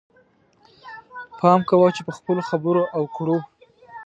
پام کوه چې په خپلو خبرو او کړو.